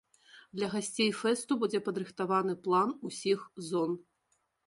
Для гасцей фэсту будзе падрыхтаваны план усіх зон.